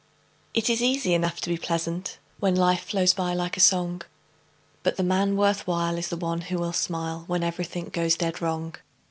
It is easy enough to be pleasant, When life flows by like a song, But the man worth while is one who will smile, When everything goes dead wrong.